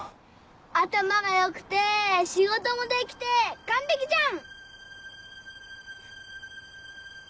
頭が良くて仕事もできて完璧じゃん！